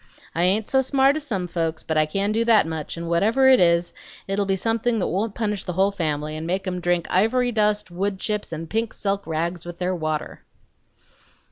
I ain't so smart as some folks, but I can do that much; and whatever it is, it'll be something that won't punish the whole family, and make 'em drink ivory dust, wood chips, and pink silk rags with their water."